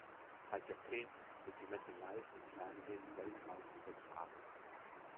Seit Jahrzehnten wird die Messe live im Fernsehen weltweit übertragen.